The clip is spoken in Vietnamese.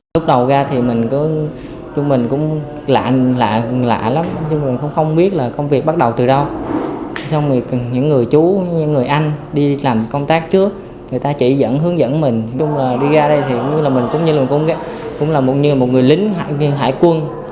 đi ra đây thì cũng là mình cũng như là một người lính hải quân